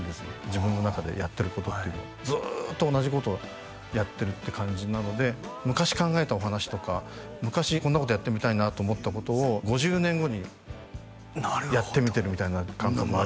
自分の中でやってることっていうのはずっと同じことをやってるって感じなので昔考えたお話とか昔こんなことやってみたいなと思ったことを５０年後にやってみてるみたいな感覚ありますね